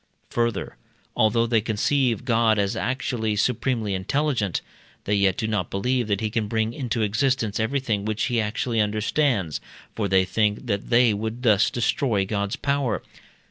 Further, although they conceive God as actually supremely intelligent, they yet do not believe that he can bring into existence everything which he actually understands, for they think that they would thus destroy God's power.